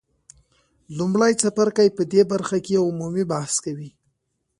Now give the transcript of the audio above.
لومړی څپرکی په دې برخه کې عمومي بحث کوي.